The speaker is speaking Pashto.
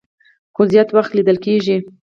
خو زيات وخت ليدل کيږي